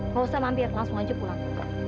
gak usah mampir langsung wajib pulang